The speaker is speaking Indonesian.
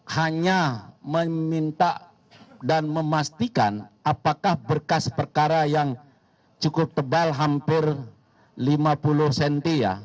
hanya meminta dan memastikan apakah berkas perkara yang cukup tebal hampir lima puluh cm ya